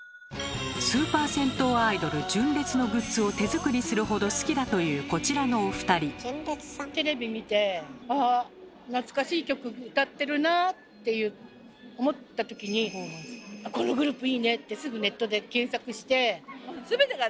スーパー銭湯アイドル純烈のグッズを手作りするほど好きだというこちらのお二人。って思ったときに「このグループいいね！」ってすぐネットで検索して。